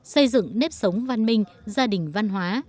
xây dựng nếp sống văn minh gia đình văn hóa